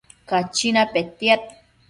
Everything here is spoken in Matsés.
Cachina petiad